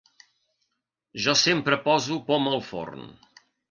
Jo sempre poso poma al forn.